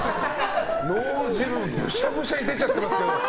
脳汁ぶしゃぶしゃに出ちゃってますけど。